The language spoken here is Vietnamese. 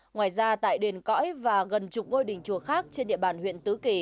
ngoài ra tại đền cõi và gần chục ngôi đình chùa khác trên địa bàn huyện tứ kỳ